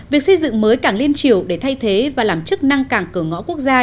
việc xây dựng mới cảng liên triều để thay thế và làm chức năng cảng cửa ngõ quốc gia